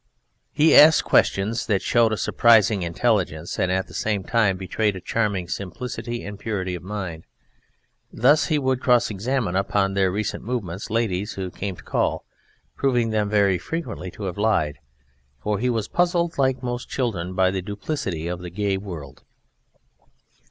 He asked questions that showed a surprising intelligence and at the same time betrayed a charming simplicity and purity of mind. Thus he would cross examine upon their recent movements ladies who came to call, proving them very frequently to have lied, for he was puzzled like most children by the duplicity of the gay world.